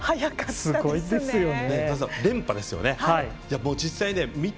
すごいですね。